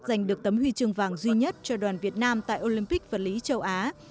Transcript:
giành được tấm huy trương vàng duy nhất cho đoàn việt nam tại olympic phật lý châu á